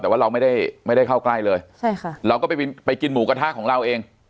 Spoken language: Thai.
แต่ว่าเราไม่ได้ไม่ได้เข้าใกล้เลยใช่ค่ะเราก็ไปกินหมูกระทะของเราเอง